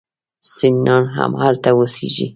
سنیان هم هلته اوسیږي.